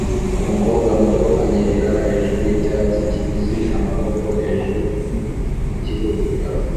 Umukobwa muto anyerera hejuru yicyatsi kibisi amaboko hejuru mukibuga